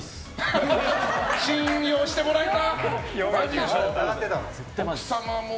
信用してもらえた？